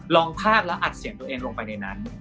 ภาพแล้วอัดเสียงตัวเองลงไปในนั้น